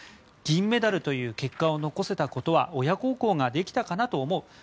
銀メダルという結果を残せたことは親孝行ができたかなと思う。